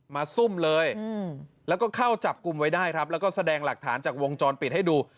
ซุ่มเลยแล้วก็เข้าจับกลุ่มไว้ได้ครับแล้วก็แสดงหลักฐานจากวงจรปิดให้ดู